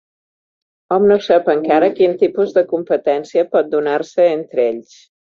Hom no sap encara quin tipus de competència pot donar-se entre ells.